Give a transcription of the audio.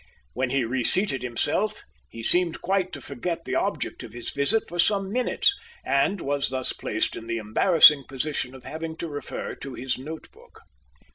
When he re seated himself, he seemed quite to forget the object of his visit for some minutes, and was thus placed in the embarrassing position of having to refer to his note book.